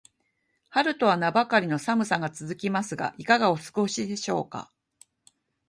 春とは名ばかりの寒さが続きますが、いかがお過ごしでしょうか。